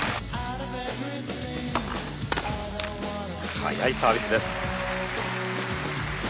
速いサービスです。